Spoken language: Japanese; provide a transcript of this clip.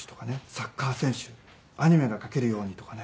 サッカー選手アニメが描けるようにとかね